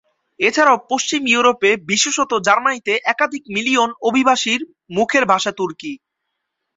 এছাড়াও পশ্চিম ইউরোপে, বিশেষত জার্মানিতে একাধিক মিলিয়ন অভিবাসীর মুখের ভাষা তুর্কি।